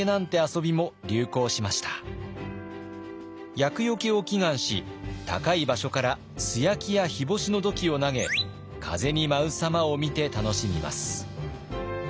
厄よけを祈願し高い場所から素焼きや日干しの土器を投げ風に舞うさまを見て楽しみます。